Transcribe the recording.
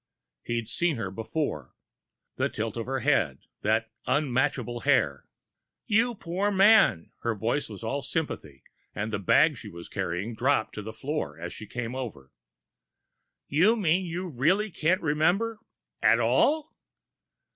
He'd seen her before. The tilt of her head, that unmatchable hair.... "You poor man!" Her voice was all sympathy, and the bag she was carrying dropped to the floor as she came over. "You mean you really can't remember at all?"